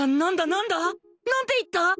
なんだ？なんて言った！？